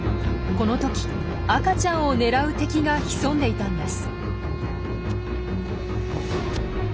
この時赤ちゃんを狙う敵が潜んでいたんです。